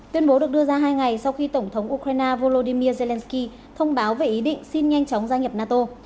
tuyên bố được đưa ra hai ngày sau khi tổng thống ukraine volodymyr zelenskyy thông báo về ý định xin nhanh chóng gia nhập nato